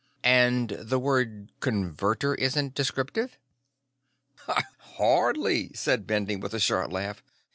"And the word 'converter' isn't descriptive?" "Hardly," said Bending with a short laugh.